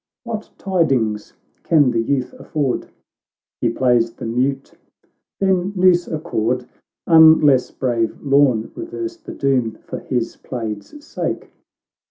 '"'—" What tidings can the youth afford ?"—" He plays the mute." —" Then noose a cord — Unless brave Lorn reverse the doom For his plaid's sake."